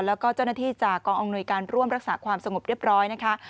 แล้วก็เจ้าหน้าที่จากกองอำนวยการร่วมรักษาความสงบเรียบร้อยนะคะ